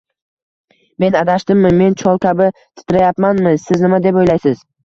Men adashdimmi? Men chol kabi titrayapmanmi? Siz nima deb o'ylaysiz?